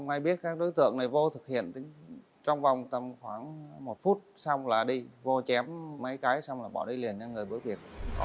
ngay biết các đối tượng này vô thực hiện trong vòng khoảng một phút xong là đi vô chém mấy cái xong là bỏ đi liền cho người bối biệt